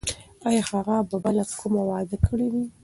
ایا هغې به بله کومه وعده کړې وي؟